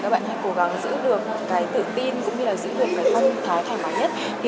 các bạn hãy cố gắng giữ được cái tự tin cũng như là giữ được cái phong thái thoải mái nhất thì